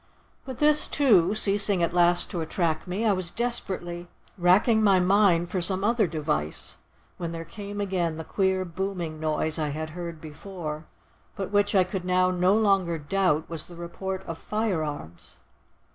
But this, too, ceasing at last to attract me, I was desperately racking my mind for some other device, when there came again the queer, booming noise I had heard before, but which I could now no longer doubt was the report of firearms.